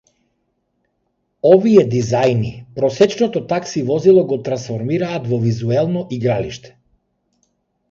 Овие дизајни, просечното такси возило го трансформираат во визуелно игралиште.